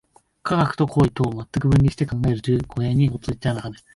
科学と行為とを全く分離して考えるという誤謬に陥ってはならぬ。